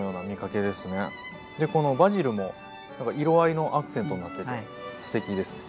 でこのバジルも色合いのアクセントになっててすてきですね。